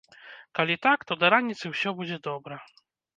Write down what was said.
Калі так, то да раніцы ўсё будзе добра.